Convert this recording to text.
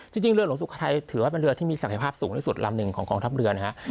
เรือหลวงสุโขทัยถือว่าเป็นเรือที่มีศักยภาพสูงที่สุดลำหนึ่งของกองทัพเรือนะฮะ